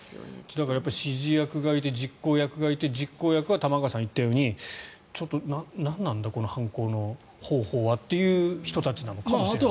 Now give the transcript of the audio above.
だからやっぱり指示役がいて、実行役がいて実行犯は玉川さんが言ったようにちょっと何なんだこの犯行の方法はという人たちなのかもしれないですね。